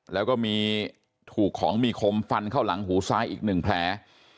แล้วก็มีถูกของมีคมฟันเข้าหลังหูซ้ายอีก๑แผล